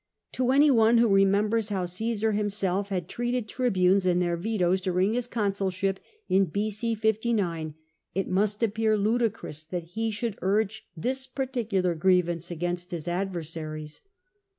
To any one who remembers how Csesar himself had treated tribunes and their vetos during his consulship in B.c. 59, it must appear ludicrous that he should urge this particular grievance against his adversaries.